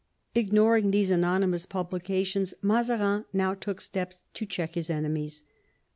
Ignoring these anonymous publications, Mazarin now took steps to check his enemies.